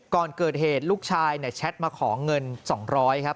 ก่อนเกิดเหตุลูกชายแชทมาของเงิน๒๐๐บาทครับ